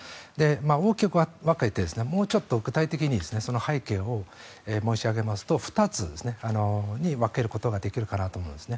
大きく分けてもうちょっと具体的に背景を申し上げますと２つに分けることができるかなと思います。